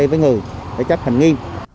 với người cái cách hành nghi